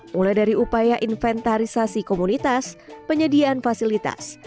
mulai dari upaya inventarisasi komunitas penyediaan fasilitas